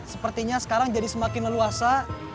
sepertinya sekarang jadi semakin leluasa